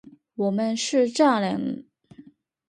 我们是家人！